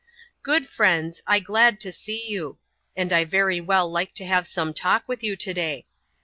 " Good friends, •! glad to see you ; and I very well like to have some talk with you to day.